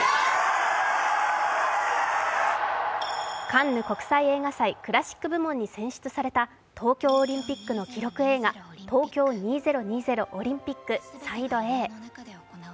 カンヌ国際映画祭クラシック部門に選出された東京オリンピックの記録映画、「東京２０２０オリンピックＳＩＤＥ：Ａ」。